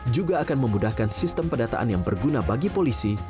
juga akan memudahkan sistem pendataan yang berguna bagi polisi